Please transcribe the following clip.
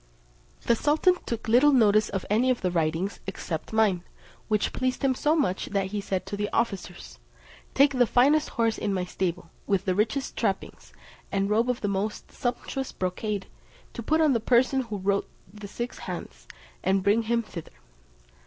The sultan took little notice of any of the writings, except mine, which pleased him so much that he said to the officers, "Take the finest horse in my stable, with the richest trappings, and a robe of the most sumptuous brocade to put on the person who wrote the six hands, and bring him thither."